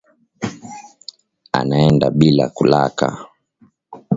Anaenda bila kulaka